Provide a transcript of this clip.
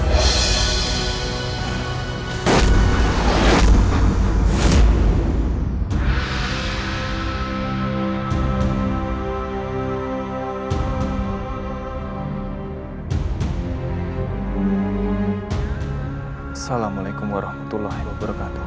assalamu'alaikum warahmatullahi wabarakatuh